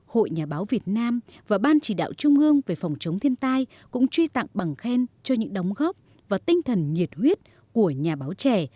hội nhà báo việt nam và ban chỉ đạo trung ương về phòng chống thiên tai cũng truy tặng bằng khen cho những đóng góp và tinh thần nhiệt huyết của nhà báo trẻ